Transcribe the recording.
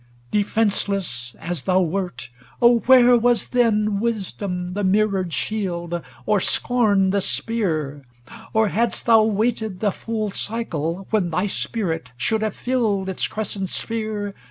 Defenceless as thou wert, oh, where was then Wisdom the mirrored shield, or scorn the spear ? Or hadst thou waited the full cycle, when Thy spirit should have filled its crescent sphere.